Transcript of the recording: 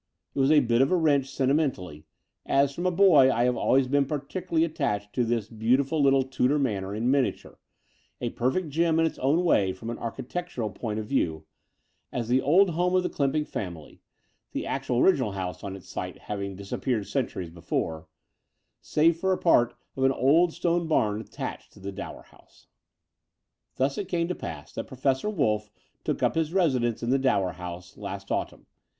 It was a bit of a wrench sentimentally, as from a boy I have always been particularly attached to this beautiful little Tudor manor in miniature, a per fect gem in its way from an architectural point of view, as the old home of the Clymping family — the actual original house on its site having dis appeared centimes before, save for part of an old stone bam attached to the Dower House. Thus it came to pass that Professor Wolff took up his residence in the Dower House last auttunn.